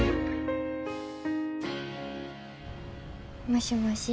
もしもし。